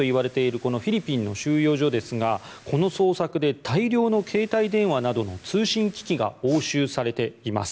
このフィリピンの収容所ですがこの捜索で大量の携帯電話などの通信機器が押収されています。